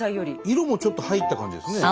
色もちょっと入った感じですね